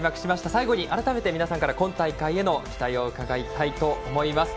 最後に改めて皆さんから今大会への期待を伺いたいと思います。